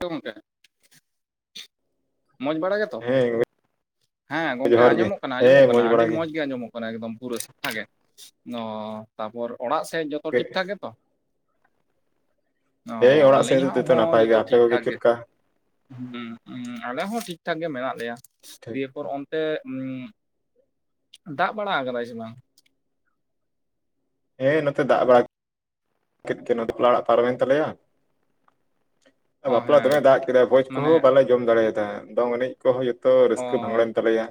[unintelligible] ᱜᱚᱝᱠᱮ ᱢᱚᱸᱡᱽ ᱵᱟᱲᱟ ᱜᱮᱛᱚ ᱦᱮᱸ ᱜᱚᱝᱠᱮ ᱦᱮᱸ ᱜᱚᱝᱠᱮ ᱡᱚᱦᱟᱨ ᱜᱮ ᱟᱸᱡᱚᱢᱚᱜ ᱠᱟᱱᱟ ᱟᱸᱡᱚᱢᱚᱜ ᱦᱮᱸ ᱠᱟᱱᱟ ᱢᱚᱡᱽ ᱵᱟᱲᱟ ᱟᱹᱰᱤ ᱢᱚᱸᱡᱽ ᱜᱮ ᱟᱸᱡᱚᱢᱚᱜ ᱠᱟᱱᱟ ᱢᱮ ᱮᱠᱫᱚᱢ ᱯᱩᱨᱟᱹ ᱥᱤᱠᱷᱟ ᱜᱮ ᱚ ᱛᱟᱨᱯᱚᱨ ᱚᱲᱟᱜ ᱥᱮᱫ ᱡᱚᱛᱚ ᱴᱷᱤᱠ ᱴᱷᱟᱠ ᱜᱮᱛᱚ ᱚ ᱦᱮᱸ ᱚᱲᱟᱜ ᱥᱮᱫ ᱟᱹᱞᱤᱧᱟᱜ ᱛᱮᱫᱚ ᱦᱚᱸ ᱱᱟᱯᱟᱭ ᱜᱮ ᱡᱚᱛᱚ ᱟᱯᱮ ᱴᱷᱤᱠ ᱠᱚᱜᱮ ᱴᱷᱟᱠ ᱪᱮᱫ ᱜᱮ ᱞᱮᱠᱟ ᱦᱮᱸ ᱟᱞᱮ ᱦᱚᱸ ᱴᱷᱤᱠᱴᱷᱟᱠ ᱜᱮ ᱢᱮᱱᱟᱜ ᱞᱮᱭᱟ ᱴᱷᱤᱠ ᱴᱷᱟᱠ᱾ ᱫᱤᱭᱮᱯᱚᱨ ᱚᱱᱛᱮ ᱫᱟᱜ ᱵᱟᱲᱟ ᱟᱠᱟᱫᱟᱭ ᱥᱮ ᱵᱟᱝ ᱦᱮᱸ ᱱᱚᱛᱮ ᱫᱟᱜ ᱵᱟᱲᱟ [inaudible] ᱠᱮᱫ ᱜᱮ ᱵᱟᱯᱞᱟ ᱟᱲᱟᱜ ᱯᱟᱨᱚᱢᱮᱱ ᱛᱟᱞᱮᱭᱟ ᱚ ᱵᱟᱯᱞᱟ ᱦᱮᱸ ᱫᱚᱢᱮ ᱫᱟᱜ ᱠᱮᱫᱟᱭ ᱵᱷᱚᱡᱽ ᱢᱟᱱᱮ ᱠᱚᱦᱚᱸ ᱵᱟᱞᱮ ᱡᱚᱢ ᱫᱟᱲᱮᱭᱟᱫᱟ ᱫᱚᱝ ᱮᱱᱮᱡ ᱠᱚᱦᱚᱸ ᱡᱚᱛᱚ ᱚ ᱨᱟᱹᱥᱠᱟᱹ ᱵᱷᱟᱝᱽᱲᱮᱱ ᱛᱟᱞᱮᱭᱟ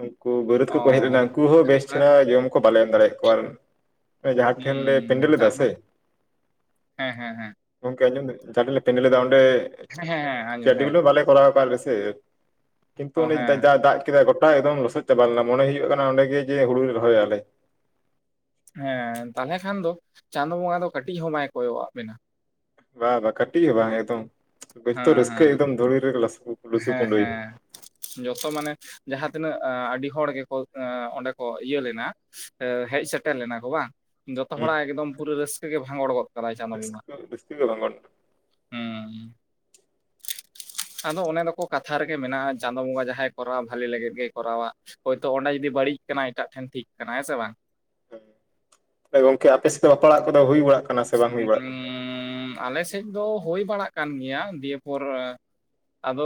ᱩᱱᱠᱩ ᱵᱟᱹᱨᱟᱹᱫ ᱚ ᱠᱚᱠᱚ ᱦᱮᱡ ᱞᱮᱱᱟ ᱩᱱᱠᱩ ᱦᱚᱸ ᱵᱮᱥ ᱢᱟᱱᱮ ᱪᱮᱦᱨᱟ ᱡᱚᱢ ᱠᱚ ᱵᱟᱞᱮ ᱮᱢ ᱫᱟᱲᱮᱭᱟᱜ ᱠᱚᱣᱟ ᱡᱟᱸᱦᱟ ᱴᱷᱮᱱ ᱞᱮ ᱦᱩᱸ ᱯᱮᱸᱰᱮᱞ ᱞᱮᱫᱟ ᱥᱮ ᱛᱟᱨᱢᱟᱱᱮ ᱦᱮᱸ ᱦᱮᱸ ᱦᱮᱸ [inaudible] ᱜᱚᱝᱠᱮ ᱟᱸᱡᱚᱢ ᱴᱷᱮᱱ ᱯᱮᱱᱰ ᱞᱮᱫᱟ ᱚᱸᱰᱮ ᱦᱮᱸ ᱦᱮᱸ ᱟᱸᱡᱚᱢ ᱪᱮᱭᱟᱨ ᱦᱮᱸ ᱴᱮᱵᱤᱞ ᱵᱟᱞᱮ ᱠᱚᱨᱟᱣ ᱟᱠᱟᱜ ᱞᱮᱥᱮ ᱠᱤᱱᱛᱚ ᱚ ᱩᱱᱤ ᱦᱮᱸ ᱡᱟ ᱫᱟᱜ ᱠᱮᱫᱟᱭ ᱜᱚᱴᱟ ᱮᱠᱫᱚᱢ ᱞᱚᱥᱚᱫ ᱪᱟᱵᱟ ᱞᱮᱱᱟ ᱢᱚᱱᱮ ᱦᱩᱭᱩᱜ ᱠᱟᱱᱟ ᱚᱸᱰᱮ ᱜᱮ ᱡᱮ ᱦᱩᱲᱩ ᱞᱮ ᱨᱚᱦᱚᱭᱟᱞᱮ ᱦᱮᱸ ᱛᱟᱦᱚᱞᱮ ᱠᱷᱟᱱ ᱫᱚ ᱪᱟᱸᱫ ᱵᱚᱸᱜᱟ ᱫᱚ ᱠᱟᱹᱴᱤᱡ ᱦᱚᱸ ᱵᱟᱭ ᱠᱚᱭᱚᱜ ᱟᱜ ᱵᱮᱱᱟ ᱵᱟ ᱵᱟᱝ ᱠᱟᱹᱴᱤᱡ ᱜᱮ ᱵᱟᱝ ᱮᱠᱫᱚᱢ ᱵᱚ ᱦᱮᱸ ᱨᱟᱹᱥᱠᱟᱹ ᱦᱮᱸ ᱮᱠᱚᱢ ᱫᱷᱩᱲᱤ ᱨᱮ ᱞᱥ ᱦᱮᱸ ᱦᱮᱸ ᱡᱚᱛᱚ ᱢᱟᱱᱮ ᱡᱟᱦᱟᱸᱛᱤᱱᱟᱹᱜ ᱟᱹᱰᱤ ᱦᱚᱲ ᱜᱮᱠᱚ ᱚᱸᱰᱮ ᱠᱚ ᱤᱭᱟᱹ ᱞᱮᱱᱟ ᱦᱮᱡ ᱥᱮᱴᱮᱨ ᱞᱮᱱᱟ ᱠᱚ ᱵᱟᱝ ᱡᱚᱛᱚ ᱦᱩᱸ ᱦᱚᱲᱟᱜ ᱮᱠᱫᱚᱢ ᱯᱩᱨᱟᱹ ᱨᱟᱹᱥᱠᱟᱹ ᱜᱮ ᱵᱷᱟᱸᱜᱬ ᱜᱚᱫ ᱫᱟᱨᱟᱭ ᱨᱟᱹᱥᱠᱟᱹ ᱪᱟᱸᱫᱳᱵᱚᱸᱜᱟ ᱨᱟᱹᱥᱠᱟᱹ ᱜᱮ ᱵᱟᱝ ᱜᱟᱱᱚᱜ [inaudible] ᱦᱩᱸ ᱟᱫᱚ ᱚᱱᱮ ᱫᱚᱠᱚ ᱠᱟᱛᱷᱟ ᱨᱮᱜᱮ ᱢᱮᱱᱟᱜᱼᱟ ᱪᱟᱸᱫᱳ ᱵᱚᱸᱜᱟ ᱡᱟᱦᱟᱸᱭ ᱠᱚᱨᱟᱣᱟ ᱵᱷᱟᱞᱤ ᱞᱟᱹᱜᱤᱫ ᱜᱮᱭ ᱠᱚᱨᱟᱣᱟ ᱦᱳᱭᱛᱳ ᱚᱸᱰᱮ ᱡᱩᱫᱤ ᱵᱟᱹᱲᱤᱡ ᱠᱟᱱᱟᱭ ᱮᱴᱟᱜ ᱴᱷᱮᱱ ᱴᱷᱤᱠ ᱠᱟᱱᱟ ᱦᱮᱸ ᱥᱮ ᱵᱟᱝ ᱦᱚᱭ ᱜᱚᱝᱠᱮ ᱟᱯᱮᱥᱮᱫ ᱫᱚ ᱵᱟᱯᱟᱞᱟᱜ ᱠᱚᱫᱚ ᱦᱩᱭ ᱵᱟᱲᱟᱜ ᱠᱟᱱᱟ ᱥᱮ ᱵᱟᱝ ᱦᱩᱭ ᱵᱟᱲᱟᱜ ᱠᱟᱱᱟ? [unintelligible] ᱟᱞᱮ ᱥᱮᱫ ᱫᱚ ᱦᱩᱭ ᱵᱟᱲᱟᱜ ᱠᱟᱱ ᱜᱮᱭᱟ ᱫᱤᱭᱮᱯᱚᱨ ᱟᱫᱚ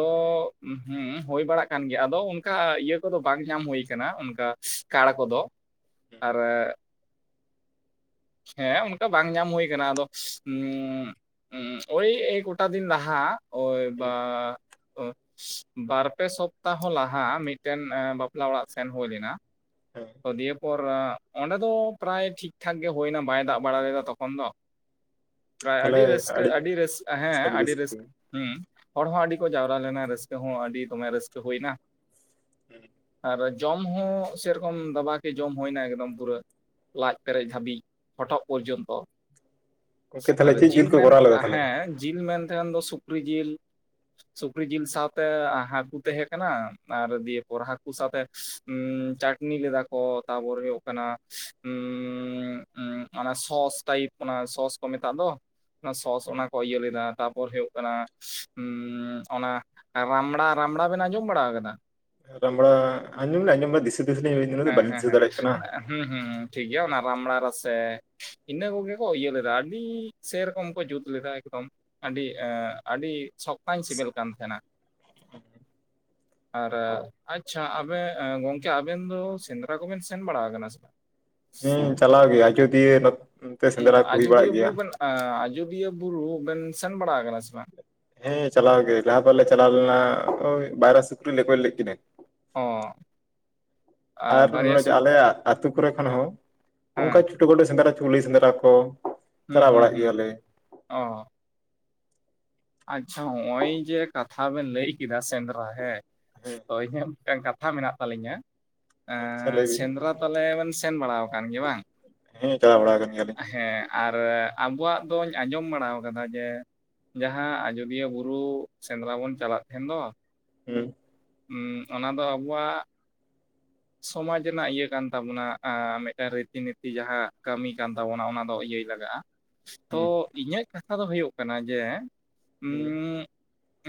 ᱦᱮᱸ ᱦᱩᱭ ᱵᱟᱲᱟᱜ ᱠᱟᱱ ᱜᱮᱭᱟ ᱟᱫᱚ ᱚᱱᱠᱟ ᱤᱭᱟᱹ ᱠᱚᱫᱚ ᱵᱟᱝ ᱧᱟᱢ ᱦᱩᱭ ᱠᱟᱱᱟ ᱚᱱᱠᱟ ᱠᱟᱬ ᱠᱚᱫᱚ ᱟᱨ ᱦᱮᱸ ᱚᱱᱠᱟ ᱵᱟᱝ ᱧᱟᱢ ᱦᱩᱭᱩ ᱠᱟᱱᱟ ᱟᱫᱚ ᱦ ᱳᱭ ᱮᱭ ᱜᱳᱴᱟ ᱫᱤᱱ ᱞᱟᱦᱟ ᱭ ᱦᱮᱸ ᱵᱟ ᱵᱟᱨ ᱯᱮ ᱥᱚᱯᱛᱟᱦᱚ ᱞᱟᱦᱟ ᱢᱤᱫ ᱴᱮᱱ ᱵᱟᱯᱞᱟ ᱚᱲᱟᱜ ᱥᱮᱱ ᱦᱳᱭ ᱞᱮᱱᱟ᱾ ᱦᱮᱸ ᱫᱤᱭᱮ ᱯᱚᱨᱟ ᱚᱸᱰᱮ ᱫᱚ ᱯᱨᱟᱭ ᱴᱷᱤᱠ ᱴᱷᱟᱠ ᱜᱮ ᱦᱩᱭᱱᱟ ᱵᱟᱭ ᱫᱟᱜ ᱵᱟᱲᱟ ᱞᱮᱫᱟ ᱛᱚᱠᱷᱚᱱ ᱫᱚ ᱟᱹᱰᱤ ᱨᱟᱹᱥᱠᱟᱹ ᱟᱹᱰᱤ ᱨᱟᱹᱥᱠᱟᱹ ᱦᱮᱸ ᱟᱹᱰᱤ ᱨᱟᱹᱥᱠᱟᱹ ᱦᱮᱸ ᱦᱚᱲ ᱦᱚᱸ ᱟᱹᱰᱤ ᱠᱚ ᱡᱟᱣᱨᱟ ᱞᱮᱱᱟ ᱨᱟᱹᱥᱠᱟᱹ ᱦᱚᱸ ᱟᱹᱰᱤ ᱫᱚᱢᱮ ᱨᱟᱹᱥᱠᱟᱹ ᱦᱩᱭᱱᱟ ᱟᱨ ᱡᱚᱢ ᱦᱚᱸ ᱥᱮᱨᱚᱠᱚᱢ ᱫᱟᱵᱟᱠᱮ ᱡᱚᱢ ᱦᱩᱭᱱᱟ ᱮᱠᱚᱢ ᱯᱩᱨᱟᱹ ᱞᱟᱡ ᱯᱮᱨᱮᱡ ᱫᱷᱟᱹᱵᱤᱡ ᱦᱚᱴᱚᱜ ᱯᱚᱨᱡᱚᱱᱛᱚ ᱜᱚᱝᱠᱮ ᱟᱨ ᱛᱟᱦᱞᱮ ᱪᱮᱫ ᱡᱤᱞ ᱠᱚ ᱢᱮᱱ ᱠᱚᱨᱟᱣ ᱞᱮᱫᱟ ᱛᱟᱦᱞᱮ? ᱦᱮᱸ ᱡᱤᱞ ᱢᱮᱱ ᱛᱟᱦᱮᱱ ᱫᱚ ᱥᱩ [unintelligible] ᱡᱮᱞ ᱥᱩᱠᱨᱤ ᱡᱤᱞ ᱥᱟᱶᱛᱮ ᱦᱟᱠᱩ ᱛᱟᱦᱮᱸ ᱠᱟᱱᱟ ᱟᱨ ᱫᱤᱭᱮ ᱯᱚᱨ ᱦᱟᱠᱩ ᱥᱟᱶᱛᱮ ᱪᱟᱴᱱᱤ ᱞᱮᱫᱟᱠᱚ ᱛᱟᱯᱚᱨ ᱦᱚᱭᱩᱜ ᱠᱟᱱᱟ ᱩᱸᱻ ᱚᱱᱟ ᱥᱚᱥ ᱴᱟᱭᱤᱯ ᱚᱱᱟ ᱥᱚᱥ ᱠᱚ ᱢᱮᱛᱟᱜ ᱫᱚ ᱚᱱᱟ ᱥᱚᱥ ᱦᱩᱸ ᱚᱱᱟ ᱠᱚ ᱤᱭᱟᱹ ᱞᱮᱫᱟ ᱛᱟᱨᱯᱚᱨ ᱦᱳᱭᱳᱜ ᱠᱟᱱᱟ ᱩᱸᱻ ᱚᱱᱟ ᱨᱟᱢᱲᱟ ᱨᱟᱢᱵᱽᱲᱟ ᱵᱮᱱ ᱟᱸᱡᱚᱢ ᱵᱟᱲᱟ ᱠᱟᱫᱟ? ᱨᱟᱢᱵᱽᱲᱟ ᱟᱸᱡᱚᱢ ᱫᱚ ᱞᱤᱧ ᱟᱸᱡᱚᱢ ᱵᱟᱲᱟ ᱫᱤᱥᱟᱹ ᱫᱤᱥᱟᱹ ᱞᱤᱧ ᱵᱡᱽᱫᱟ ᱩᱱᱟᱹᱜ ᱦᱮᱸ ᱫᱚ ᱦᱮᱸ ᱵᱟᱞᱤᱧ ᱦᱮᱸ ᱫᱤᱥᱟᱹ ᱫᱟᱲᱮᱭᱟᱜ ᱠᱟᱱᱟ ᱦᱩᱸ ᱦᱩᱸ ᱴᱷᱤᱠ ᱜᱮᱭᱟ ᱚᱱᱟ ᱨᱟᱢᱵᱽᱲᱟ ᱨᱟᱥᱮ ᱤᱱᱟᱹ ᱠᱚᱜᱮ ᱠᱚ ᱤᱭᱟᱹ ᱞᱮᱫᱟ ᱟᱰᱤ ᱥᱮᱨᱚᱠᱚᱢ ᱠᱚ ᱡᱩᱛ ᱞᱮᱫᱟ ᱮᱠᱫᱚᱢ ᱟᱰᱤ ᱟᱰᱤ ᱥᱚᱠᱛᱟᱧ ᱥᱮᱵᱮᱞ ᱠᱟᱱ ᱛᱟᱦᱮᱱᱟ [inaudible] ᱟᱪᱷᱟ ᱟᱵᱮ ᱜᱚᱝᱠᱮ ᱟᱵᱮᱱ ᱥᱮᱸᱫᱽᱨᱟ ᱠᱚᱵᱮᱱ ᱥᱮᱱ ᱵᱟᱲᱟ ᱟᱠᱟᱱᱟ ᱥᱮ ᱵᱟᱝ? ᱦᱩᱸ ᱪᱟᱞᱟᱣ ᱜᱮ ᱟᱡᱚᱫᱤᱭᱟᱹ ᱱᱚᱛᱮ ᱥᱮᱸᱫᱽᱨᱟ ᱠᱚ ᱦᱩᱭ ᱟᱡᱚᱫᱤᱭᱟᱹ ᱵᱟᱲᱟᱜ ᱵᱩᱨᱩ ᱜᱮᱭᱟ ᱵᱮᱱ ᱟᱡᱚᱫᱤᱭᱟᱹ ᱵᱩᱨᱩ ᱵᱮᱱ ᱥᱮᱱ ᱵᱟᱲᱟ ᱠᱟᱱᱟ ᱥᱮ ᱵᱟᱝ? ᱦᱮᱸ ᱪᱟᱞᱟᱣ ᱜᱮ ᱞᱟᱦᱟ ᱵᱟᱨ ᱞᱮ ᱪᱟᱞᱟᱣ ᱞᱮᱱᱟ ᱳᱭ ᱵᱟᱭᱨᱟ ᱥᱩᱠᱨᱤ ᱞᱮ ᱜᱚᱡᱽ ᱞᱮᱫ ᱠᱤᱱᱟᱹ ᱚᱸ ᱟᱨ ᱱᱚᱜ-ᱚᱭ ᱡᱮ ᱟᱞᱮᱭᱟᱜ ᱟᱹᱛᱩ ᱠᱚᱨᱮ ᱠᱷᱚᱱ ᱦᱚᱸ ᱚᱝᱠᱟ ᱦᱮᱸ ᱪᱷᱳᱴᱳ ᱠᱷᱟᱴᱳ ᱥᱮᱸᱫᱽᱨᱟ ᱪᱩᱞᱦᱤ ᱥᱮᱸᱫᱽᱨᱟ ᱠᱚ ᱦᱩᱸ ᱪᱟᱞᱟᱣ ᱦᱩᱸ ᱵᱟᱲᱟᱜ ᱦᱩᱸ ᱜᱮᱭᱟᱞᱮ ᱚ ᱟᱪᱷᱟ ᱦᱚᱸᱜᱚᱭ ᱡᱮ ᱠᱟᱛᱷᱟ ᱵᱮᱱ ᱞᱟᱹᱭ ᱠᱮᱫᱟ ᱥᱮᱸᱫᱽᱨᱟ ᱦᱮᱸ ᱦᱮᱸ ᱛᱚ [unintelligible] ᱢᱤᱫ ᱴᱟᱝ ᱠᱟᱛᱷᱟ ᱢᱮᱱᱟᱜ ᱛᱟᱹᱞᱤᱧᱟ ᱟᱪᱪᱷᱟ ᱮᱸ ᱞᱟᱹᱭ ᱵᱤᱱ ᱥᱮᱸᱫᱽᱨᱟ ᱛᱟᱞᱮ ᱵᱮᱱ ᱥᱮᱱ ᱵᱟᱲᱟ ᱠᱟᱱ ᱜᱮᱭᱟ ᱵᱟᱝ? ᱦᱮᱸ ᱪᱟᱞᱟᱣ ᱵᱟᱲᱟ ᱟᱠᱟᱱ ᱜᱮᱭᱟᱞᱤᱧ ᱦᱮᱸ ᱟᱨ ᱟᱵᱚᱣᱟᱜ ᱫᱚᱸᱧ ᱟᱸᱡᱚᱢ ᱵᱟᱲᱟ ᱠᱟᱫᱟ ᱡᱮ ᱡᱟᱦᱟᱸ ᱟᱡᱚᱫᱤᱭᱟᱹ ᱵᱩᱨᱩ ᱥᱮᱸᱫᱽᱨᱟ ᱵᱚᱱ ᱪᱟᱞᱟᱜ ᱛᱟᱦᱮᱱ ᱫᱚ ᱦᱩᱸ ᱩᱸ ᱚᱱᱟ ᱫᱚ ᱟᱵᱚᱣᱟᱜ ᱥᱚᱢᱟᱡᱽ ᱨᱮᱱᱟᱜ ᱤᱭᱟᱹ ᱠᱟᱱ ᱛᱟᱵᱚᱱᱟ ᱢᱤᱫᱴᱟᱝ ᱨᱤᱛᱤ ᱱᱤᱛᱤ ᱡᱟᱦᱟᱸ ᱠᱟᱹᱢᱤ ᱠᱟᱱ ᱛᱟᱵᱚᱱᱟ ᱚᱱᱟ ᱫᱚ ᱤᱭᱟᱹ ᱞᱟᱜᱟᱜᱼᱟ ᱛᱚ ᱦᱩᱸ ᱤᱧᱟᱹᱜ ᱠᱟᱛᱷᱟ ᱫᱚ ᱦᱚᱭᱩᱜ ᱠᱟᱱᱟ ᱡᱮ ᱦᱩᱸ ᱩᱸ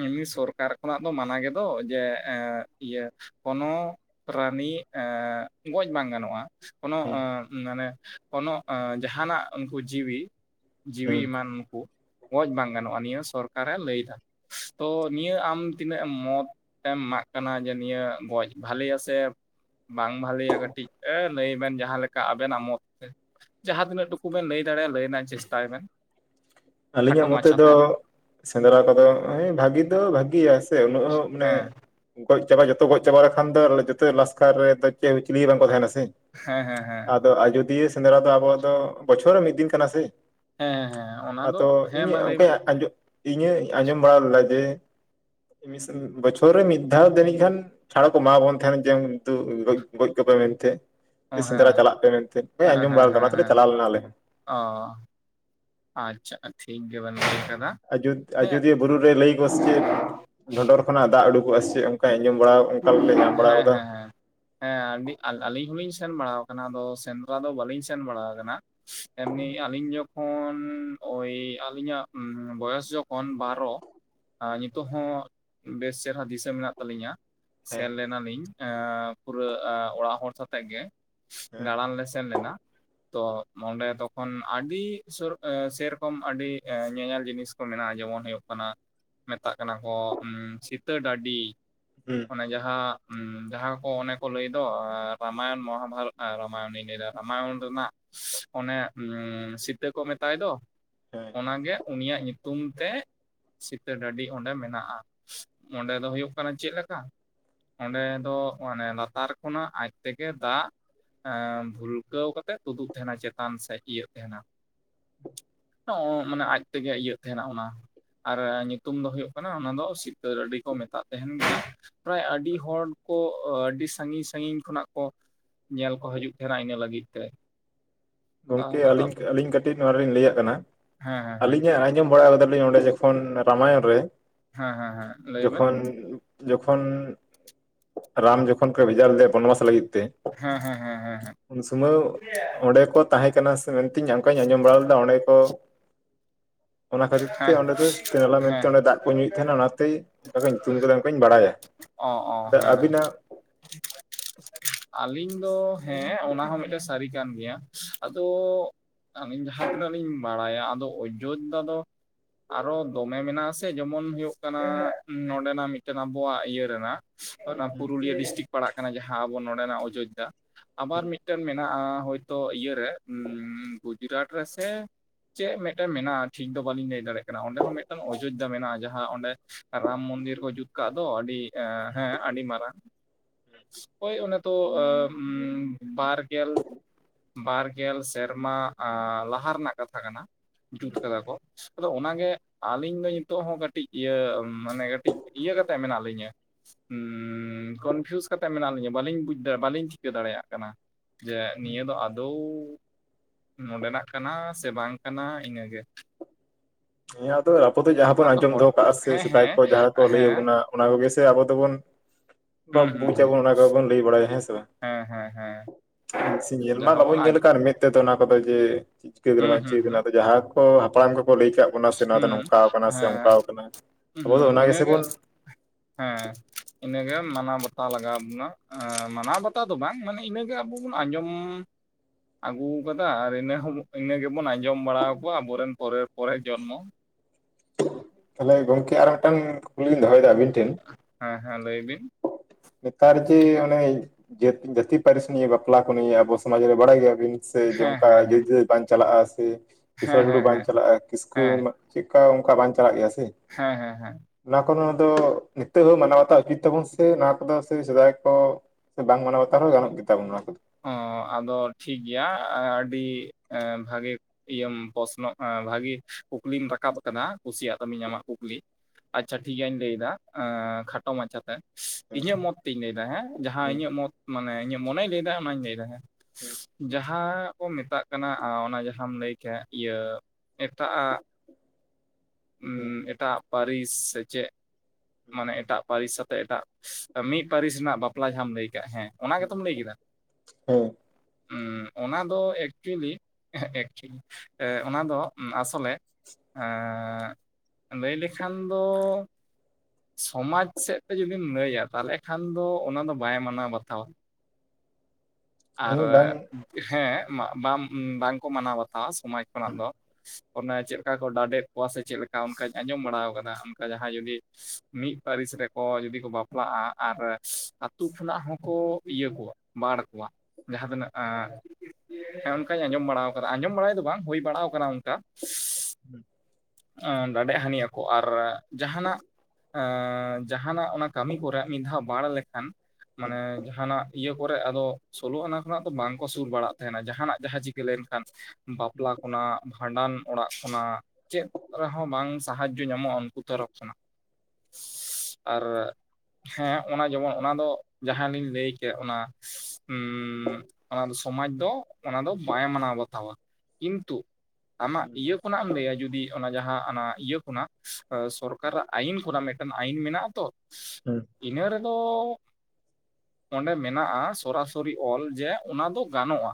ᱮᱢᱱᱤ ᱥᱚᱨᱠᱟᱨ ᱠᱷᱚᱱᱟᱜ ᱫᱚ ᱢᱟᱱᱟ ᱜᱮᱫᱚ ᱡᱮ ᱤᱭᱟᱹ ᱠᱳᱱᱳ ᱯᱨᱟᱱᱤ ᱜᱚᱡ ᱵᱟᱝ ᱜᱟᱱᱚᱜᱼᱟ ᱠᱚᱱᱚ ᱦᱩᱸ ᱮᱸ ᱢᱟᱱᱮ ᱠᱚᱱᱚ ᱡᱟᱦᱟᱱᱟᱜ ᱩᱱᱠᱩ ᱡᱤᱣᱤ ᱡᱤᱣᱤ ᱦᱩᱸ ᱮᱢᱟᱱ ᱱᱩᱠᱩ ᱜᱚᱡ ᱵᱟᱝ ᱜᱟᱱᱚᱜᱼᱟ ᱱᱤᱭᱟᱹ ᱥᱚᱨᱠᱟᱨᱮ ᱞᱟᱹᱭᱫᱟ ᱛᱚ ᱱᱤᱭᱟᱹ ᱟᱢ ᱛᱤᱱᱟᱹᱜ ᱮᱢ ᱢᱚᱛ ᱮᱢ ᱮᱢᱟᱜ ᱠᱟᱱᱟ ᱡᱮ ᱱᱤᱭᱟᱹ ᱜᱚᱡ ᱵᱟᱞᱮᱭᱟ ᱥᱮ ᱵᱟᱝ ᱵᱷᱟᱞᱮᱭᱟ ᱠᱟᱹᱴᱤᱡ ᱞᱟᱹᱭ ᱵᱮᱱ ᱡᱟᱦᱟᱸ ᱞᱮᱠᱟ ᱟᱵᱮᱱᱟᱜ ᱢᱚᱛ ᱛᱮ ᱡᱟᱦᱟᱸ ᱛᱤᱱᱟᱹᱜ ᱴᱩᱠᱩ ᱵᱮᱱ ᱞᱟᱹᱭ ᱫᱟᱲᱮᱭᱟᱜᱼᱟ ᱞᱟᱹᱭ ᱨᱮᱱᱟᱜ ᱪᱮᱥᱴᱟᱭ ᱵᱮᱱ ᱠᱷᱟᱴᱚ ᱟᱹᱞᱤᱧᱟᱜ ᱢᱚᱛ ᱛᱮᱫᱚ ᱢᱟᱪᱷᱟᱛᱮ ᱥᱮᱸᱫᱽᱨᱟ ᱠᱚᱫᱚ ᱵᱷᱟᱹᱜᱤ ᱫᱚ ᱵᱷᱟᱹᱜᱤᱭᱟ ᱥᱮ ᱩᱱᱟᱹᱜ ᱦᱚᱸ ᱢᱟᱱᱮ ᱦᱮᱸ ᱜᱚᱡ ᱪᱟᱵᱟ ᱡᱚᱛᱚ ᱜᱚᱡ ᱪᱟᱵᱟ ᱞᱮᱠᱷᱟᱱ ᱫᱚ ᱡᱚᱛᱚ ᱞᱟᱥᱠᱟᱨ ᱨᱮᱫᱚ ᱪᱮᱫ ᱪᱤᱞᱤ ᱦᱚᱸ ᱵᱟᱝ ᱠᱚ ᱛᱟᱦᱮᱱᱟ ᱥᱮ ᱦᱮᱸ ᱦᱮᱸ ᱦᱮᱸ ᱟᱫᱚ ᱟᱡᱚᱫᱤᱭᱟᱹ ᱥᱮᱸᱫᱽᱨᱟ ᱫᱚ ᱟᱵᱚᱣᱟᱜ ᱫᱚ ᱵᱚᱪᱷᱚᱨ ᱨᱮ ᱢᱤᱫ ᱫᱤᱱ ᱠᱟᱱᱟ ᱥᱮ ᱦᱮᱸ ᱦᱮᱸ ᱦᱮᱸ ᱚᱱᱟ ᱫᱚ ᱟᱫᱚ ᱤᱧ ᱢᱟ ᱞᱟᱹᱭ ᱚᱱᱠᱟᱸᱧ ᱵᱮᱱ ᱟᱸ ᱟᱸᱡᱚᱢ ᱤᱧ ᱟᱸᱡᱚᱢ ᱵᱟᱲᱟ ᱞᱮᱫᱟ ᱡᱮ ᱢᱤᱥᱟ. ᱱ ᱵᱚᱪᱷᱚᱨ ᱨᱮ ᱢᱤᱫ ᱫᱷᱟᱣ ᱡᱟᱹᱱᱤᱡ ᱠᱷᱟᱱ ᱪᱷᱟᱲᱚ ᱠᱚ ᱮᱢᱟ ᱟᱵᱚᱱ ᱛᱟᱦᱮᱱᱟ ᱡᱮ ᱫᱩ ᱜᱚᱡ ᱜᱚᱡ ᱠᱟᱯᱮ ᱢᱮᱱᱛᱮ ᱚ ᱥᱮᱸᱫᱽᱨᱟ ᱦᱮᱸ ᱪᱟᱞᱟᱜ ᱯᱮ ᱢᱮᱱᱛᱮ ᱦᱮᱸ ᱟᱸᱡᱚᱢ ᱵᱟᱲᱟ ᱞᱮᱫᱟ ᱚᱱᱟᱛᱮᱞᱮ ᱪᱟᱞᱟᱣ ᱞᱮᱱᱟ ᱟᱞᱮ ᱦᱚᱸ ᱟᱸ ᱟᱪᱷᱟ ᱴᱷᱤᱠ ᱜᱮ ᱵᱮᱱ ᱞᱟᱹᱭ ᱠᱟᱫᱟ ᱟᱡᱚ ᱦᱮᱸ ᱟᱡᱚᱫᱤᱭᱟᱹ ᱵᱩᱨᱩ ᱨᱮ ᱞᱟᱹᱭ ᱟᱠᱚᱥᱮ ᱪᱮᱫ ᱰᱷᱚᱸᱰᱚᱨ ᱠᱷᱚᱱᱟᱜ ᱫᱟᱜ ᱩᱰᱩᱠᱚᱜᱼᱟ ᱥᱮ ᱪᱮᱜ ᱚᱱᱠᱟᱧ ᱟᱸᱡᱚᱢ ᱵᱟᱲᱟ ᱚᱱᱠᱟᱞᱮ ᱧᱟᱢ ᱦᱮᱸ ᱵᱟᱲᱟᱫᱟ? ᱦᱮᱸ ᱦᱮᱸ ᱟᱞᱤᱧ ᱦᱚᱸᱞᱤᱧ ᱥᱮᱱ ᱵᱟᱲᱟ ᱠᱟᱱᱟ ᱟᱫᱚ ᱥᱮᱸᱫᱽᱨᱟ ᱫᱚ ᱵᱟᱞᱤᱧ ᱥᱮᱱ ᱵᱟᱲᱟ ᱠᱟᱱᱟ ᱮᱢᱱᱤ ᱟᱹᱞᱤᱧ ᱡᱚᱠᱷᱚᱱ ᱳᱭ ᱟᱹᱞᱤᱧᱟᱜ ᱵᱚᱭᱚᱥ ᱡᱚᱠᱷᱚᱱ ᱵᱟᱨᱚ ᱟ ᱦᱮᱸ ᱱᱤᱛᱚᱜ ᱦᱚᱸ ᱵᱮᱥ ᱪᱮᱦᱨᱟ ᱫᱤᱥᱟᱹ ᱢᱮᱱᱟᱜ ᱛᱟᱹᱞᱤᱧᱟ ᱦᱮᱸ ᱥᱮᱱ ᱞᱮᱱᱟᱞᱤᱧ ᱯᱩᱨᱟᱹ ᱚᱲᱟᱜ ᱦᱚᱲ ᱥᱚᱛᱮᱜᱮ ᱫᱟᱬᱟᱱ ᱞᱮ ᱥᱮᱱ ᱞᱮᱱᱟ᱾ ᱛᱚ ᱱᱚᱸᱰᱮ ᱛᱚᱠᱷᱚᱱ ᱟᱹᱰᱤ ᱥᱮᱨᱚᱠᱚᱢ ᱟᱹᱰᱤ ᱧᱮᱧᱮᱞ ᱡᱤᱱᱤᱥ ᱠᱚ ᱠᱚ ᱢᱮᱱᱟᱜᱼᱟ ᱡᱮᱢᱚᱱ ᱦᱩᱭᱩᱜ ᱠᱟᱱᱟ ᱢᱮᱛᱟᱜ ᱠᱟᱱᱟ ᱠᱚ ᱥᱤᱛᱟᱹ ᱰᱟᱹᱰᱤ ᱦᱩᱸ ᱚᱱᱮ ᱡᱟᱦᱟᱸ ᱡᱟᱦᱟᱸ ᱠᱚ ᱚᱱᱮ ᱠᱚ ᱞᱟᱹᱭ ᱫᱚ ᱨᱟᱢᱟᱭᱚᱱ ᱢᱚᱦᱟᱵᱷᱟᱨᱚᱛ ᱨᱟᱢᱟ ᱭᱚᱱᱤᱧ ᱞᱟᱹᱭ ᱮᱟ ᱨᱟᱢᱟᱭᱚᱱ ᱨᱮᱱᱟᱜ ᱚᱱᱮ ᱥᱤᱛᱟᱹ ᱠᱚ ᱢᱮᱛᱟᱭ ᱫᱚ᱾ ᱦᱮᱸ ᱚᱱᱟᱜ ᱜᱮ ᱩᱱᱤᱭᱟᱜ ᱧᱩᱛᱩᱢ ᱛᱮ ᱥᱤᱛᱟᱹ ᱰᱟᱹᱰᱤ ᱚᱸᱰᱮ ᱢᱮᱱᱟᱜᱼᱟ ᱚᱸᱰᱮ ᱫᱚ ᱦᱩᱭᱩᱜ ᱠᱟᱱᱟ ᱪᱮᱫ ᱞᱮᱠᱟ᱾ ᱚᱸᱰᱮ ᱫᱚ ᱢᱟᱱᱮ ᱞᱟᱛᱟᱨ ᱠᱷᱚᱱᱟᱜ ᱟᱡ ᱛᱮᱜᱮ ᱫᱟᱜ ᱵᱷᱩᱞᱠᱟᱹᱣ ᱠᱟᱛᱮᱜ ᱛᱩᱫᱩᱜ ᱛᱟᱦᱮᱱᱟ ᱪᱮᱛᱟᱱ ᱥᱮ ᱤᱭᱟᱹᱜ ᱛᱟᱦᱮᱱᱟ [unintelligible] ᱢᱟᱱᱮ ᱟᱡ ᱛᱮᱜᱮ ᱤᱭᱟᱹᱜ ᱛᱟᱦᱮᱱᱟ ᱚᱱᱟ ᱟᱨ ᱧᱩᱛᱩᱢ ᱫᱚ ᱦᱩᱭᱩᱜ ᱠᱟᱱᱟ ᱚᱱᱟ ᱫᱚ ᱥᱤᱛᱟᱹ ᱰᱟᱹᱰᱤ ᱠᱚ ᱢᱮᱛᱟᱜ ᱛᱟᱦᱮᱱ ᱜᱮᱭᱟ ᱯᱨᱟᱭ ᱟᱹᱰᱤ ᱦᱚᱲ ᱠᱚ ᱟᱹᱰᱤ ᱥᱟᱹᱜᱤᱧ ᱥᱟᱹᱜᱤᱧ ᱠᱷᱚᱱᱟᱜ ᱠᱚ᱾ ᱧᱮᱞ ᱠᱚ ᱦᱤᱡᱩᱜ ᱠᱟᱱᱟ ᱤᱱᱟᱹ ᱞᱟᱹᱜᱤᱫ ᱛᱮ᱾ ᱜᱚᱝᱠᱮ ᱟᱹᱞᱤᱧ ᱦᱮᱸ ᱟᱹᱞᱤᱧ ᱠᱟᱹᱴᱤᱡ ᱱᱚᱣᱟ ᱞᱤᱧ ᱞᱟᱹᱭᱟᱜ ᱠᱟᱱᱟ ᱦᱮᱸ ᱦᱮᱸ ᱟᱹᱞᱤᱧᱟᱜ ᱟᱸᱡᱚᱢ ᱵᱟᱲᱟ ᱠᱟᱫᱟᱞᱤᱧ ᱚᱸᱰᱮ ᱡᱚᱠᱷᱚᱱ ᱨᱟᱢᱟᱭᱚᱱ ᱨᱮ ᱦᱮᱸ ᱦᱮᱸ ᱦᱮᱸ ᱞᱟᱹᱭ ᱵᱮᱱ ᱡᱚᱠᱷᱚᱱ ᱡᱚᱠᱷᱚᱱ ᱨᱟᱢ ᱡᱚᱠᱷᱚᱱ ᱠᱚ ᱵᱷᱮᱡᱟ ᱞᱮᱫᱮᱭᱟ ᱵᱚᱱᱚᱵᱟᱥ ᱞᱟᱹᱜᱤᱫ ᱛᱮ ᱦᱮᱸ ᱦᱮᱸ ᱦᱮᱸ ᱦᱮᱸ ᱩᱥᱩᱢᱟᱹᱣ ᱚᱸᱰᱮ ᱠᱚ ᱛᱟᱦᱮᱸ ᱠᱟᱱᱟ ᱥᱮ ᱢᱮᱱᱛᱤᱧ ᱚᱱᱠᱟᱧ ᱟᱸᱡᱚᱢ ᱵᱟᱲᱟ ᱞᱮᱫᱟ ᱚᱸᱰᱮ ᱠᱚ ᱚᱱᱟ ᱠᱷᱟᱹᱛᱤᱨ ᱦᱮᱸ ᱛᱮ ᱚᱸᱰᱮ ᱫᱚ ᱥᱤᱛᱟᱹ ᱱᱟᱞᱟ ᱢᱮᱱᱛᱮ ᱦᱮᱸ ᱚᱸᱰᱮ ᱫᱟᱜ ᱠᱚ ᱧᱩᱭᱮᱫ ᱛᱟᱦᱮᱱᱟ ᱚᱱᱟᱛᱮ ᱚᱱᱠᱟ ᱠᱚ ᱧᱩᱛᱩᱢ ᱠᱮᱫᱟ ᱚᱱᱠᱟᱧ ᱵᱟᱲᱟᱭᱟ᱾ ᱚ ᱚ ᱟᱫᱚ ᱦᱮᱸ᱾ ᱟᱹᱵᱤᱱᱟᱜ [unintelligible] ᱟᱹᱞᱤᱧ ᱫᱚ ᱦᱮᱸ ᱚᱱᱟ ᱦᱚᱸ ᱢᱤᱫᱴᱮᱱ ᱥᱟᱹᱨᱤ ᱠᱟᱱ ᱜᱮᱭᱟ᱾ ᱟᱫᱚ ᱟᱹᱞᱤᱧ ᱡᱟᱦᱟᱸ ᱛᱤᱱᱟᱹᱜ ᱞᱤᱧ ᱵᱟᱲᱟᱭᱟ ᱟᱫᱚ ᱚᱡᱳᱫᱽᱫᱷᱟ ᱫᱚ ᱟᱨᱚ ᱫᱚᱢᱮ ᱢᱮᱱᱟᱜ ᱟᱥᱮ ᱡᱮᱢᱚᱱ ᱦᱩᱭᱩᱜ ᱠᱟᱱᱟ ᱱᱚᱸᱰᱮᱱᱟᱜ ᱢᱤᱫᱴᱮᱱ ᱟᱵᱚᱣᱟᱜ ᱤᱭᱟᱹ ᱨᱮᱱᱟᱜ ᱚᱱᱟ ᱯᱩᱨᱩᱞᱤᱭᱟᱹ ᱰᱤᱥᱴᱤᱠ ᱯᱟᱲᱟᱜ ᱠᱟᱱᱟ᱾ ᱡᱟᱦᱟᱸ ᱟᱵᱚ ᱱᱚᱰᱮᱱᱟᱜ ᱚᱡᱳᱫᱽᱫᱷᱟ ᱟᱵᱟᱨ ᱢᱤᱫᱴᱮᱱ ᱢᱮᱱᱟᱜᱼᱟ ᱦᱳᱭᱛᱳ ᱤᱭᱟᱹᱨᱮ ᱜᱩᱡᱽᱨᱟᱴ ᱨᱮᱥᱮ ᱪᱮᱫ ᱢᱤᱫᱴᱮᱱ ᱢᱮᱱᱟᱜᱼᱟ᱾ ᱴᱷᱤᱠ ᱫᱚ ᱵᱟᱞᱤᱧ ᱞᱟᱹᱭ ᱫᱟᱲᱮᱭᱟᱜ ᱠᱟᱱᱟ ᱚᱸᱰᱮ ᱦᱚᱸ ᱢᱤᱫᱴᱟᱝ ᱚᱡᱳᱫᱽᱫᱷᱟ ᱢᱮᱱᱟᱜᱼᱟ ᱡᱟᱦᱟᱸ ᱚᱸᱰᱮ ᱨᱟᱢ ᱢᱚᱱᱫᱤᱨ ᱠᱚ ᱡᱩᱛ ᱠᱟᱜ ᱫᱚ ᱟᱹᱰᱤ ᱦᱮᱸ ᱟᱹᱰᱤ ᱢᱟᱨᱟᱝ ᱦᱳᱭ ᱚᱱᱟ ᱫᱚ ᱵᱟᱨᱜᱮᱞ ᱵᱟᱨᱜᱮᱞ ᱥᱮᱨᱢᱟ ᱞᱟᱦᱟ ᱨᱮᱱᱟᱜ ᱠᱟᱛᱷᱟ ᱠᱟᱱᱟ ᱡᱩᱛ ᱠᱟᱫᱟ ᱠᱚ ᱚᱱᱟᱜᱮ ᱟᱹᱞᱤᱧ ᱫᱚ ᱱᱤᱛᱚᱜ ᱦᱚᱸ ᱠᱟᱹᱴᱤᱡ ᱤᱭᱟᱹ ᱢᱟᱱᱮ ᱠᱟᱹᱴᱤᱡ ᱤᱭᱟᱹ ᱠᱟᱛᱮᱜ ᱢᱮᱱᱟᱜ ᱞᱤᱧᱟᱹ᱾ ᱠᱚᱱᱯᱷᱤᱭᱩᱥ ᱠᱟᱛᱮᱜ ᱢᱮᱱᱟᱜ ᱞᱤᱧᱟᱹ ᱵᱟᱞᱤᱧ ᱫᱟᱲ ᱵᱟᱹᱞᱤᱧ ᱴᱷᱤᱠᱟᱹ ᱫᱟᱲᱮᱭᱟᱜ ᱠᱟᱱᱟ᱾ ᱡᱮ ᱱᱤᱭᱟᱹ ᱫᱚ ᱟᱫᱚ ᱱᱚᱰᱮᱱᱟᱜ ᱠᱟᱱᱟ ᱥᱮ ᱵᱟᱝ ᱠᱟᱱᱟ ᱤᱱᱟᱹᱜᱮ᱾ ᱱᱤᱭᱟᱹ ᱟᱫᱚ ᱟᱵᱚ ᱫᱚ ᱡᱟᱦᱟᱸ ᱵᱚᱱ ᱟᱫᱚ ᱟᱸᱡᱚᱢ ᱦᱚᱲ ᱫᱚᱦᱚ ᱠᱟᱜᱼᱟ ᱥᱮ ᱦᱮᱸ ᱥᱮᱫᱟᱭ ᱦᱮᱸ ᱠᱷᱚᱱ ᱡᱟᱦᱟᱸ ᱠᱚ ᱦᱮᱸ ᱞᱟᱹᱭᱟᱵᱚᱱᱟ ᱚᱱᱟ ᱠᱚᱜᱮ ᱥᱮ ᱟᱵᱚ ᱫᱚᱵᱚᱱ ᱵᱟ ᱦᱩᱸ ᱦᱩᱸ ᱦᱩᱸ ᱵᱩᱡᱟᱵᱚᱱ ᱚᱱᱟ ᱠᱚᱵᱚᱱ ᱞᱟᱹᱭ ᱵᱟᱲᱟᱭᱟ ᱦᱮᱸ ᱥᱮ ᱵᱟᱝ ᱦᱮᱸ ᱦᱮᱸ ᱦᱮᱸ ᱦᱸ ᱧᱮᱞ ᱢᱟ ᱡᱟᱦᱟᱸ ᱵᱟᱵᱚ ᱵᱚᱱ ᱧᱮᱞ ᱟᱠᱟᱫ ᱢᱮ ᱚᱱᱟ ᱠᱚᱫᱚ ᱡᱮ ᱪᱤᱠᱟᱹ ᱠᱟᱱᱟ ᱦᱩᱸ ᱵᱟᱝ ᱦᱩᱸ ᱪᱤᱠ ᱠᱟᱱᱟ ᱦᱩᱸ ᱟᱫᱚ ᱡᱟᱦᱟᱸ ᱠᱚ ᱦᱟᱯᱲᱟᱢ ᱠᱚᱠᱚ ᱞᱟᱹᱭ ᱠᱟᱫ ᱠᱚ ᱚᱱᱟ ᱥᱮ ᱱᱚᱭᱟ ᱫᱚ ᱱᱚᱝᱠᱟ ᱟᱠᱟᱱᱟ ᱥᱮ ᱦᱮᱸ ᱚᱱᱠᱟ ᱟᱠᱟᱱᱟ ᱟᱵᱚ ᱫᱚ ᱦᱩᱸ ᱚᱱᱟ ᱜᱮᱥᱮ ᱤᱱᱟᱹᱜᱮ ᱵᱚᱱ ᱦᱮᱸ ᱤᱱᱟᱹᱜᱮ ᱢᱟᱱᱟᱣ ᱵᱟᱛᱟᱣ ᱞᱟᱜᱟᱣ ᱵᱚᱱᱟ ᱢᱟᱱᱟᱣ ᱵᱟᱛᱟᱣ ᱫᱚ ᱵᱟᱝ ᱢᱟᱱᱮ ᱤᱱᱟᱹᱜᱮ ᱟᱵᱚ ᱵᱚᱱ ᱟᱸᱡᱚᱢ ᱟᱹᱜᱩᱣᱟᱠᱟᱫᱟ ᱟᱨ ᱤᱱᱟᱹ ᱦᱚᱸ ᱤᱱᱟᱹ ᱜᱮᱵᱚᱱ ᱟᱸᱡᱚᱢ ᱵᱟᱲᱟ ᱠᱚᱣᱟ ᱟᱵᱚᱮᱱ ᱯᱚᱨᱮᱨ ᱯᱚᱨᱮ ᱡᱚᱱᱢᱚ ᱛᱟᱦᱚᱞᱮ ᱜᱚᱝᱠᱮ ᱟᱨ ᱢᱤᱫᱴᱟᱝ ᱠᱩᱠᱞᱤᱧ ᱫᱚᱦᱚᱭᱮᱫᱟ ᱟᱵᱤᱱ ᱴᱷᱮᱱ ᱦᱮᱸ ᱦᱮᱸ ᱞᱟᱹᱭ ᱵᱤᱱ ᱱᱮᱛᱟᱨ ᱡᱮ ᱚᱱᱮ ᱡᱟᱹᱛᱤ ᱯᱟᱹᱨᱤᱥ ᱱᱤᱭ ᱵᱟᱯᱞᱟ ᱠᱚ ᱱᱤᱭᱮ ᱟᱵᱚ ᱥᱚᱢᱟᱡᱽ ᱨᱮ ᱵᱟᱲᱟᱭ ᱜᱮᱭᱟᱵᱤᱱ ᱥᱮ ᱡᱮ ᱦᱮᱸ ᱚᱱᱠᱟ ᱦᱮᱸ ᱦᱮᱸ ᱡᱩᱫᱤ ᱵᱟᱝ ᱪᱟᱞᱟᱜᱼᱟ ᱥᱮ ᱵᱤᱥᱟ ᱦᱮᱸ ᱴᱩᱰᱩ ᱦᱮᱸ ᱵᱟᱝ ᱦᱮᱸ ᱪᱟᱞᱟᱜᱼᱟ ᱠᱤᱥᱠᱩ ᱦᱮᱸ ᱪᱮᱫᱠᱟ ᱚᱱᱠᱟ ᱵᱟᱝ ᱪᱟᱞᱟᱜ ᱜᱮᱭᱟ ᱥᱮ ᱦᱮᱸ ᱦᱮᱸ ᱦᱮᱸ ᱚᱱᱟ ᱠᱚ ᱫᱚ ᱟᱫᱚ ᱱᱤᱛᱚᱜ ᱦᱚᱸ ᱢᱟᱱᱟᱣ ᱵᱟᱛᱟᱣ ᱚᱪᱤᱛ ᱛᱟᱵᱩᱱ ᱥᱮ ᱚᱱᱟ ᱫᱚ ᱥᱮ ᱥᱮᱫᱟᱭ ᱠᱚ ᱵᱟᱝ ᱢᱟᱱᱟᱣ ᱵᱟᱛᱟᱣ ᱨᱮ ᱦᱚᱸ ᱜᱟᱱᱚᱜ ᱜᱮᱛᱟᱵᱚ ᱱᱚᱣᱟ ᱠᱚᱫᱚ᱾ ᱚ ᱟᱫᱚ ᱴᱷᱤᱠ ᱜᱮᱭᱟ ᱟᱹᱰᱤ ᱮ ᱵᱷᱟᱜᱮ ᱤᱭᱟᱹ ᱯᱚᱥᱱᱚᱜ ᱵᱷᱟᱹᱜᱤ ᱠᱩᱠᱞᱤᱢ ᱨᱟᱠᱟᱵ ᱟᱠᱟᱫᱟ, ᱠᱩᱥᱤᱭᱟᱜ ᱛᱟᱢᱤᱧ ᱟᱢᱟᱜ ᱠᱩᱠᱞᱤ ᱟᱪᱪᱷᱟ ᱴᱷᱤᱠ ᱜᱮᱭᱟ ᱞᱟᱹᱭ ᱫᱟ ᱠᱷᱟᱴᱚ ᱢᱟᱪᱟ ᱛᱮ ᱦᱮᱸ ᱤᱧᱟᱹᱜ ᱢᱚᱛ ᱛᱤᱧ ᱞᱟᱹᱭ ᱫᱟ, ᱦᱮᱸ ᱡᱟᱦᱟᱸ ᱦᱮᱸ ᱤᱧᱟᱹᱜ ᱢᱚᱛ ᱢᱟᱱᱮᱭ ᱤᱧᱟᱜ ᱢᱚᱱᱮᱭ ᱞᱟᱹᱭ ᱫᱟᱭ ᱚᱱᱟᱧ ᱞᱟᱹᱭ ᱫᱟ ᱦᱮᱸ ᱦᱩᱸ ᱡᱟᱦᱟᱸ ᱠᱚ ᱢᱮᱛᱟᱜ ᱠᱟᱱᱟ ᱚᱱᱟ ᱡᱟᱦᱟᱸᱢ ᱞᱟᱹᱭᱠᱮᱜ ᱤᱭᱟᱹ ᱮᱴᱟᱜᱼᱟᱜ ᱦᱮᱸ ᱮᱴᱟᱜ ᱯᱟᱹᱨᱤᱥ ᱥᱮᱪᱮᱫ ᱢᱟᱱᱮ ᱮᱴᱟᱜ ᱯᱟᱹᱨᱤᱥ ᱥᱟᱛᱮᱜ ᱮᱴᱟᱜ ᱢᱤᱫ ᱯᱟᱹᱨᱤᱥ ᱨᱮᱱᱟᱜ ᱵᱟᱯᱞᱟ ᱡᱟᱦᱟᱸᱢ ᱞᱟᱹᱭ ᱠᱟᱜ ᱦᱮᱸ ᱚᱱᱟ ᱜᱮᱛᱚᱢ ᱞᱟᱹᱭ ᱠᱮᱫᱟ ᱦᱮᱸ ᱦᱩᱸ ᱚᱱᱟ ᱫᱚ ᱮᱠᱪᱩᱭᱮᱞᱤ ᱮᱠᱪᱮ ᱮ ᱚᱱᱟ ᱫᱚ ᱟᱥᱚᱞᱮ ᱮᱸᱜ ᱞᱟᱹᱭ ᱞᱮᱠᱷᱟᱱ ᱫᱚ ᱥᱚᱢᱟᱡᱽ ᱥᱮᱫ ᱛᱮ ᱡᱩᱫᱤᱢ ᱞᱟᱹᱭᱟ ᱛᱟᱦᱚᱞᱮ ᱠᱷᱟᱱ ᱫᱚ ᱚᱱᱟ ᱫᱚ ᱵᱟᱭ ᱢᱟᱱᱟᱣ ᱵᱟᱛᱟᱣᱟ᱾ [inaudible] ᱦᱮᱸ ᱟᱨ ᱦᱮᱸ ᱵᱟᱝ ᱦᱮᱸ ᱵᱟ ᱵᱟᱝ ᱠᱚ ᱢᱟᱱᱟᱣ ᱵᱟᱛᱟᱣᱟ ᱥᱚᱢᱟᱡᱽ ᱠᱷᱚᱱᱟᱜ ᱦᱮᱸ ᱫᱚ᱾ ᱚᱱᱮ ᱪᱮᱫᱠᱟ ᱠᱚ ᱰᱮᱫ ᱠᱚᱣᱟ ᱥᱮ ᱪᱮᱫᱠᱟ ᱚᱱᱠᱟᱧ ᱟᱸᱡᱚᱢ ᱵᱟᱲᱟ ᱟᱠᱟᱫᱟ᱾ ᱚᱱᱠᱟ ᱡᱟᱦᱟᱸᱭ ᱡᱩᱫᱤ ᱢᱤᱫ ᱯᱟᱹᱨᱤᱥ ᱨᱮᱠᱚ ᱡᱩᱫᱤ ᱠᱚ ᱵᱟᱯᱞᱟᱜᱼᱟ ᱟᱨ ᱟᱹᱛᱩ ᱠᱷᱚᱱᱟᱜ ᱦᱚᱸᱠᱚ ᱤᱭᱟᱹ ᱠᱚᱣᱟ ᱵᱟᱲ ᱠᱚᱣᱟᱜ ᱡᱟᱦᱟᱸ ᱛᱤᱱᱟᱹᱜ ᱦᱮᱸ ᱚᱱᱠᱟᱧ ᱟᱸᱡᱚᱢ ᱵᱟᱲᱟ ᱣᱟᱠᱟᱫᱟ ᱟᱸᱡᱚᱢ ᱵᱟᱲᱟᱭ ᱫᱚ ᱵᱟᱝ ᱦᱩᱭ ᱵᱟᱲᱟ ᱟᱠᱟᱱᱟ ᱚᱱᱠᱟ [inaudible] ᱟ ᱰᱟᱰᱮᱜ ᱦᱟᱱᱤᱭᱟᱹ ᱠᱚ ᱟᱨ ᱡᱟᱦᱟᱱᱟᱜ ᱮᱸ ᱡᱟᱦᱟᱱᱟᱜ ᱚᱱᱟ ᱠᱟᱹᱢᱤ ᱠᱚᱨᱮ ᱢᱤᱫ ᱫᱷᱟᱣ ᱵᱟᱲ ᱞᱮᱠᱷᱟᱱ ᱢᱟᱱᱮ ᱡᱟᱦᱟᱱᱟᱜ ᱤᱭᱟᱹ ᱠᱚᱨᱮ ᱟᱫᱚ ᱥᱳᱞᱳ ᱚᱱᱟ ᱠᱷᱚᱱᱟᱜ ᱫᱚ, ᱵᱟᱝᱠᱚ ᱥᱩᱨ ᱵᱟᱲᱟᱜ ᱛᱟᱦᱮᱱᱟ ᱡᱟᱦᱟᱱᱟᱜ ᱡᱟᱦᱟᱸ ᱪᱤᱠᱟᱹ ᱞᱮᱱᱠᱷᱟᱱ᱾ ᱵᱟᱯᱞᱟ ᱦᱮᱸ ᱠᱷᱚᱱᱟᱜ, ᱵᱷᱟᱸᱰᱟᱱ ᱚᱲᱟᱜ ᱠᱷᱚᱱᱟᱜ ᱪᱮᱫ ᱨᱮᱦᱚᱸ ᱵᱟᱝ ᱥᱟᱦᱟᱡᱚ ᱧᱟᱢᱚᱜᱼᱟ ᱩᱱᱠᱩ ᱛᱚᱨᱚᱯᱷ ᱠᱷᱚᱱᱟᱜ ᱟᱨ ᱦᱮᱸ ᱚᱱᱟ ᱡᱮᱢᱚᱱ ᱚᱱᱟ ᱫᱚ ᱡᱟᱦᱟᱸ ᱞᱤᱧ ᱞᱟᱹᱭᱠᱮᱜ ᱚᱱᱟ ᱚᱱᱟ ᱥᱚᱢᱟᱡᱽ ᱫᱚ ᱚᱱᱟ ᱫᱚ ᱵᱟᱭ ᱢᱟᱱᱟᱣ ᱵᱟᱛᱟᱣᱟ᱾ ᱠᱤᱱᱛᱩ ᱟᱢᱟᱜ ᱦᱮᱸ ᱤᱭᱟᱹ ᱚᱱᱟᱜ ᱮᱢ ᱞᱟᱹᱭᱟ ᱡᱩ ᱫᱤ ᱚᱱᱟ ᱡᱟᱦᱟᱸ ᱚᱱᱟ ᱤᱭᱟᱹ ᱠᱷᱚᱱᱟᱜ ᱥᱚᱨᱠᱟᱨᱟᱜ ᱟᱭᱤᱱ ᱠᱷᱚᱱᱟᱜ ᱢᱤᱫᱴᱟᱝ ᱟᱹᱤᱱ ᱢᱮᱱᱟᱜᱼᱟ ᱛᱚ ᱦᱮᱸ ᱤᱱᱟᱹ ᱨᱮᱫᱚ ᱚᱸᱰᱮ ᱢᱮᱱᱟᱜᱼᱟ ᱥᱚᱨᱟ ᱥᱚᱨᱤ ᱚᱞ ᱡᱮ ᱚᱱᱟ ᱫᱚ ᱜᱟᱱᱚᱜᱼᱟ᱾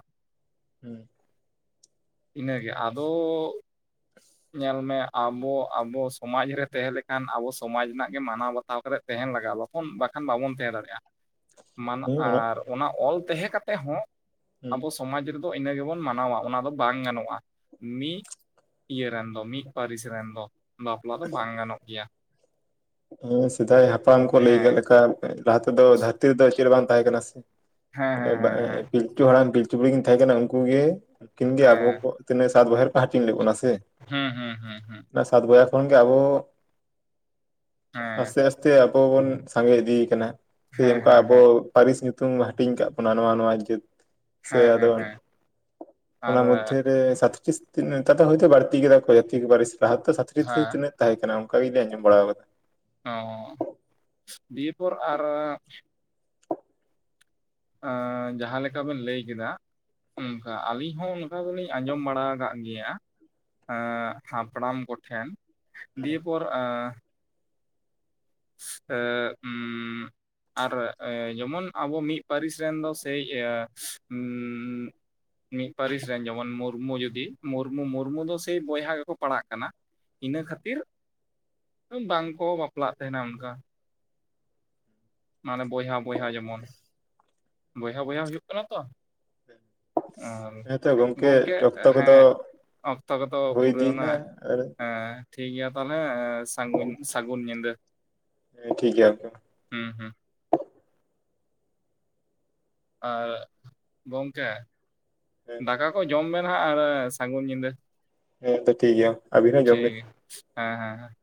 ᱦᱩᱸ ᱤᱱᱟᱹᱜᱮ ᱟᱫᱚ ᱧᱮᱞᱢᱮ ᱟᱵᱚ ᱟᱵᱚ ᱥᱚᱢᱟᱡ ᱨᱮ ᱛᱟᱦᱮᱸ ᱞᱮᱠᱷᱟᱱ ᱟᱵᱚ ᱥᱚᱢᱟᱡᱽ ᱨᱮᱱᱟᱜ ᱜᱮ ᱢᱟᱱᱟᱣ ᱵᱟᱛᱟᱣ ᱼᱼ ᱥᱟᱣ ᱠᱟᱛᱮᱫ ᱛᱟᱦᱮᱱ ᱞᱟᱜᱟᱜᱼᱟ ᱵᱟᱠᱷᱚᱱ ᱵᱟᱠᱷᱟᱱ ᱵᱟᱵᱚᱱ ᱛᱟᱦᱮᱸ ᱫᱟᱲᱮᱭᱟᱜᱼᱟ ᱢᱟᱱᱚ ᱟᱨ ᱚᱱᱟ ᱚᱞ ᱛᱟᱦᱮᱸ ᱠᱟᱛᱮ ᱦᱚᱸ ᱦᱮᱸ ᱟᱵᱚ ᱥᱚᱢᱟᱡᱽ ᱨᱮᱫᱚ ᱤᱱᱟᱹ ᱜᱮᱵᱚᱱ ᱢᱟᱱᱟᱣᱟ ᱚᱱᱟ ᱫᱚ ᱵᱟᱝ ᱜᱟᱱᱚᱜᱼᱟ ᱢᱤᱫ ᱤᱭᱟᱹᱮᱱ ᱫᱚ ᱢᱤᱫ ᱯᱟᱹᱨᱤᱥ ᱨᱮᱱ ᱫᱚ ᱵᱟᱯᱞᱟ ᱫᱚ ᱵᱟᱝ ᱜᱟᱱᱚᱜ ᱜᱮᱭᱟ᱾ ᱦᱮᱸ ᱥᱮᱫᱟᱭ ᱦᱟᱯᱲᱟᱢ ᱠᱚ ᱞᱟᱹᱭ ᱠᱟᱫ ᱦᱮᱸ ᱞᱮᱠᱟ ᱞᱟᱦᱟ ᱛᱮᱫᱚ ᱫᱷᱟᱹᱨᱛᱤ ᱨᱮᱫᱚ ᱪᱮᱫ ᱵᱟᱝ ᱛᱟᱦᱮᱸ ᱠᱟᱱᱟ ᱥᱮ ᱦᱮᱸ ᱦᱮᱸ ᱵᱟ ᱦᱮᱸ ᱦᱮᱸ ᱤᱯᱤ ᱯᱤᱞᱪᱩ ᱦᱟᱲᱟᱢ ᱯᱤᱞᱪᱩ ᱵᱩᱲᱦᱤ ᱠᱤᱱ ᱛᱟᱦᱮᱸ ᱠᱟᱱᱟ ᱩᱱᱠᱤᱱ ᱜᱮ ᱩᱱᱠᱤᱱ ᱜᱮ ᱟᱵᱚ ᱦᱮᱸ ᱠᱚ ᱛᱤᱱᱟᱹᱜ ᱥᱟᱛ ᱵᱚᱭᱦᱟ ᱨᱮ ᱠᱚ ᱦᱟᱹᱴᱤᱧ ᱞᱮᱫ ᱵᱚᱱᱟ ᱥᱮ ᱦᱩᱸ ᱦᱩᱸ ᱦᱩᱸ ᱦᱩᱸ ᱚᱱᱟ ᱥᱟᱛ ᱵᱚᱭᱦᱟ ᱠᱷᱚᱱ ᱜᱮ ᱟᱵᱚ ᱦᱮᱸ ᱟᱥᱛᱮ ᱟᱥᱛᱮ ᱟᱵᱚ ᱵᱚᱱ ᱥᱟᱸᱜᱮ ᱤᱫᱤ ᱠᱟᱱᱟ᱾ ᱥᱮ ᱦᱮᱸ ᱚᱱᱠᱟ ᱦᱮᱸ ᱟᱵᱚ ᱦᱮᱸ ᱦᱮᱸ ᱯᱟᱹᱨᱤᱥ ᱧᱩᱛᱩᱢ ᱦᱟᱹᱴᱤᱧ ᱟᱠᱟᱫ ᱵᱚᱱᱟ, ᱱᱚᱣᱟᱹ ᱱᱚᱣᱟ. ᱡᱟᱹᱛ ᱥᱮ ᱦᱮᱸ ᱟᱫᱚ ᱦᱮᱸ ᱦᱮᱸ ᱟᱨ ᱚᱱᱟ ᱢᱚᱫᱽᱫᱷᱮᱨᱮ ᱥᱟᱛᱴᱤ ᱱᱮᱛᱟᱨ ᱫᱚ ᱦᱚᱭᱛᱚ ᱵᱟᱹᱲᱛᱤ ᱠᱮᱫᱟ ᱠᱚ ᱡᱟᱹᱛᱤ ᱠᱚ ᱯᱟᱹᱨᱤᱥ ᱞᱟᱦᱟ ᱛᱮ ᱥᱟᱛᱴᱤ ᱥᱮ ᱦᱮᱸ ᱛᱤᱱᱟᱹᱜ ᱛᱟᱦᱮᱸ ᱠᱟᱱᱟ ᱚᱱᱠᱟ ᱜᱤᱧ ᱟᱸᱡᱚᱢ ᱵᱟᱲᱟ ᱟᱠᱟᱫᱟ ᱚ ᱰᱤ ᱯᱷᱚᱨ ᱟᱨ ᱮ ᱡᱟᱸᱦᱟ ᱞᱮᱠᱟᱵᱤᱱ ᱞᱟᱹᱭ ᱠᱮᱫᱟ ᱚᱝᱠᱟ ᱟᱞᱤᱧ ᱦᱚᱸ ᱚᱱᱠᱟ ᱫᱚᱞᱤᱧ ᱟᱸᱡᱚᱢ ᱵᱟᱲᱟ ᱟᱠᱟᱫ ᱜᱮᱭᱟ ᱦᱮᱸ ᱦᱟᱯᱲᱟᱢ ᱠᱚᱴᱷᱮᱱ ᱫᱤᱭᱮ ᱯᱚᱨ ᱮ ᱩ ᱟᱨ ᱡᱮᱢᱚᱱ ᱟᱵᱚ ᱢᱤᱫ ᱯᱟᱹᱨᱤᱥ ᱨᱮᱱ ᱫᱚ ᱥᱮᱭ ᱢᱤᱫ ᱯᱟᱹᱨᱤᱥ ᱨᱮᱱ ᱡᱮᱢᱚᱱ ᱢᱩᱨᱢᱩ ᱡᱩᱫᱤ ᱢᱩᱨᱢᱩ ᱢᱩᱨᱢᱩ ᱫᱚ ᱥᱮᱭ ᱵᱚᱭᱦᱟ ᱜᱮᱠᱚ ᱯᱟᱲᱟᱜ ᱠᱟᱱᱟ᱾ ᱤᱱᱟᱹ ᱠᱷᱟᱹᱛᱤᱨ ᱵᱟᱝᱠᱚ ᱵᱟᱯᱞᱟᱜ ᱛᱟᱦᱮᱸᱱᱟ ᱚᱱᱠᱟ ᱢᱟᱱᱮ ᱵᱚᱭᱦᱟᱼ ᱵᱚᱭᱦᱟ ᱡᱮᱢᱚᱱ ᱵᱚᱭᱦᱟ ᱵᱚᱭᱦᱟ ᱦᱩᱭᱩᱜ ᱠᱟᱱᱟ ᱛᱚ ᱟᱨ ᱦᱮᱸᱛᱚ ᱜᱚᱝᱠᱮ ᱜᱚᱢᱠᱮ ᱚᱠᱛᱚ ᱠᱚᱫᱚ ᱦᱮᱸ ᱚᱠᱛᱚ ᱠᱚᱫᱚ ᱦᱩᱭ ᱯᱩᱨᱟᱹᱣᱱᱟ ᱤᱫᱤᱭᱮᱱᱟ ᱟᱨ ᱦᱮᱸ ᱴᱷᱤᱠ ᱜᱮᱭᱟ ᱛᱟᱦᱚᱞᱮ ᱥᱟᱹᱜ ᱥᱟᱹᱜᱩᱱ ᱧᱤᱫᱟᱹ ᱦᱮᱸ ᱴᱷᱤᱠ ᱜᱚᱝᱠᱮ᱾ ᱦᱮᱸ ᱦᱮᱸ ᱟᱨ ᱜᱚᱝᱠᱮ ᱦᱮᱸ ᱫᱟᱠᱟ ᱠᱚ ᱡᱚᱢ ᱵᱮᱱ ᱦᱟᱜ ᱟᱨ ᱥᱟᱹᱜᱩᱱ ᱧᱤᱫᱟᱹ᱾ ᱦᱮᱸ ᱛᱚ ᱴᱷᱤᱠ ᱜᱮᱭᱟ ᱟᱵᱤᱱ ᱦᱚᱸ ᱴᱷᱤᱠ ᱡᱚᱢ ᱵᱤᱱ ᱜᱮᱭᱟ, ᱦᱮᱸ ᱦᱮᱸᱮᱸ